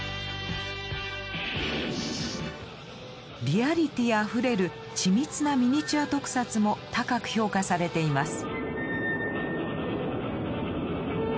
リアリティーあふれる緻密なミニチュア特撮も高く評価されています。